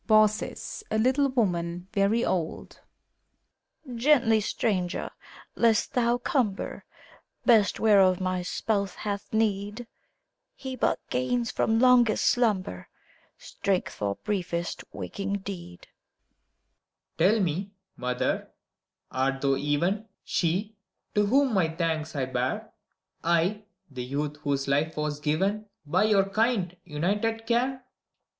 BAUCIS (a little woman, very old). Gently, stranger ! lest thou cumber Best, whereof my spouse hath need! He but gains from longest slumber Strength for briefest waking deed. WANDERER. Tell me, mother, art thou even 224 FAUST, She, to whom my thanks I bear, — I, the youth, whose life was giveii By your kind, united care